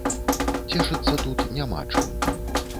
Цешыцца тут няма чым.